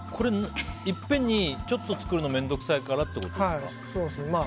いっぺんにちょっと作るの面倒くさいからってことですか？